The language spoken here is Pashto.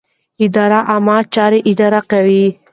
اداره د عامه چارو اداره کوي.